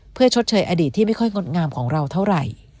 เพื่อชดเชยอดีตที่ไม่ค่อยงดงามของเราเท่าไหร่